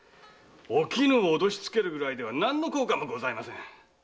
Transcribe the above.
お絹を脅しつけるぐらいでは何の効果もございません。